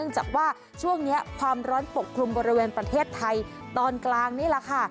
จากว่าช่วงนี้ความร้อนปกคลุมบริเวณประเทศไทยตอนกลางนี่แหละค่ะ